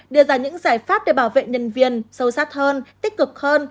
đưa ra những giải pháp để bảo vệ nhân viên sâu sắc hơn tích cực hơn